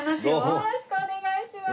よろしくお願いします。